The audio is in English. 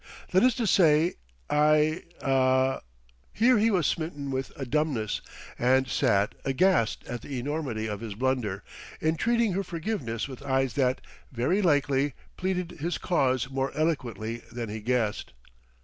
That is to say, I ah " Here he was smitten with a dumbness, and sat, aghast at the enormity of his blunder, entreating her forgiveness with eyes that, very likely, pleaded his cause more eloquently than he guessed.